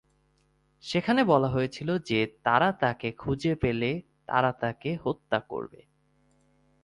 সেখানে বলা হয়েছিল যে তারা তাকে খুঁজে পেলে তারা তাকে হত্যা করবে।